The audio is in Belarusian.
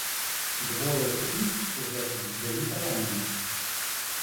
Двое з іх пры гэтым былі параненыя.